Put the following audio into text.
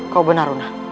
kau benar una